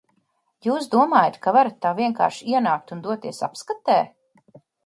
Jūs domājat, ka varat tā vienkārši ienākt un doties apskatē?